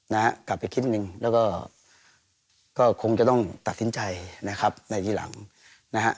นะฮะกลับไปคิดหนึ่งแล้วก็ก็คงจะต้องตัดสินใจนะครับในทีหลังนะฮะ